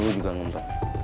lo juga ngapain